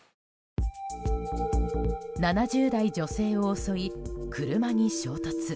７０代女性を襲い、車に衝突。